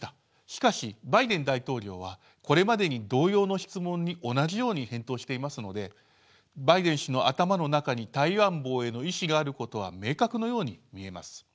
しかしバイデン大統領はこれまでに同様の質問に同じように返答していますのでバイデン氏の頭の中に台湾防衛の意思があることは明確のように見えます。